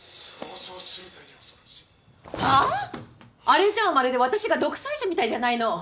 あれじゃまるで私が独裁者みたいじゃないの！？